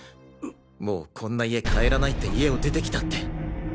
「もうこんな家帰らない」って家を出てきたって。